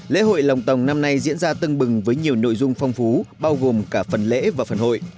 lễ hội lồng tồng năm nay diễn ra tương bừng với nhiều nội dung phong phú bao gồm cả phần lễ và phần hội